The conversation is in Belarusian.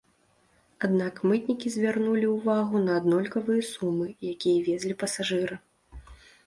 Аднак мытнікі звярнулі ўвагу на аднолькавыя сумы, якія везлі пасажыры.